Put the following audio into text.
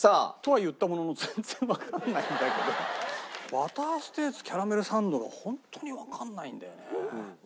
バターステイツキャラメルサンドがホントにわかんないんだよね。